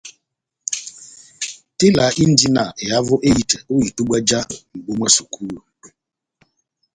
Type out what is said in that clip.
Tela indi na ehavo ehitɛ ó itubwa já mbúh mwá sukulu.